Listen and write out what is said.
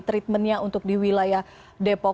treatment nya untuk di wilayah depok